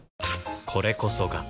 これこそが